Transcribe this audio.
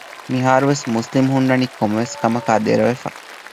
މިހާރުވެސް މުސްލިމް ހުންނަނީ ކޮންމެވެސް ކަމަކާއި ދެރަވެފަ